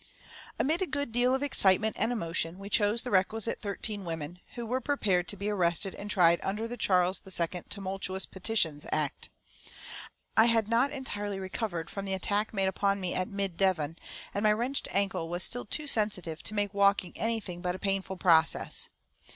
Amid a good deal of excitement and emotion, we chose the requisite thirteen women, who were prepared to be arrested and tried under the Charles II "Tumultuous Petitions" Act. I had not entirely recovered from the attack made upon me at Mid Devon, and my wrenched ankle was still too sensitive to make walking anything but a painful process.